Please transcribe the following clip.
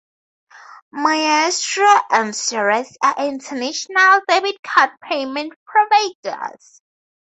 Maestro and Cirrus are international debit card payment providers.